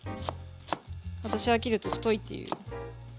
私が切ると太いっていう。